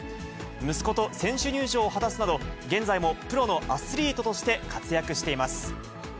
息子と選手入場を果たすなど、現在もプロのアスリートとして活躍しています。